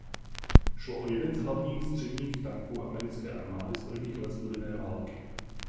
Šlo o jeden z hlavních středních tanků americké armády z prvních let studené války.